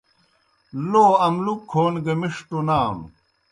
لو املُک کھون گہ مِݜٹوْ نانوْ۔